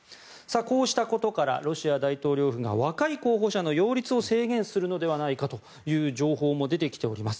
こうしたことからロシア大統領府が若い候補者の擁立を制限するのではないかという情報も出てきております。